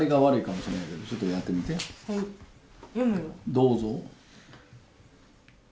どうぞ。